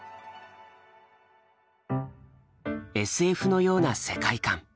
ＳＦのような世界観。